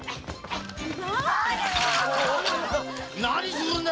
何するんだよっ！